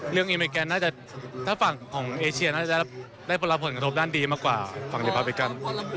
เรื่องริปรับบริกันน่าจะถ้าฝั่งของเอเชียน่าจะได้ประลับผลกระทบด้านดีมากกว่าฝั่งริปรับบริกัน